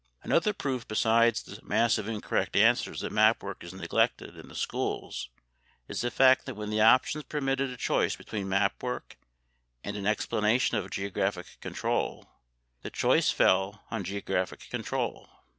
Another proof besides the mass of incorrect answers that map work is neglected in the schools is the fact that when the options permitted a choice between map work and an explanation of geographic control, the choice fell on geographic control.